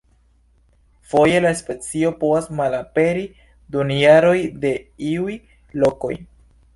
Foje la specio povas malaperi dum jaroj de iuj lokoj.